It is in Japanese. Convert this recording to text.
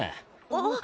あっ！